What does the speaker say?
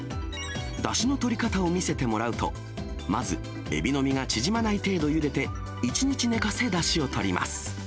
だしのとり方を見せてもらうと、まずエビの身が縮まない程度ゆでて、１日寝かせ、だしをとります。